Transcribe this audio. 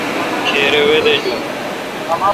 کھیرے وے دیجون۔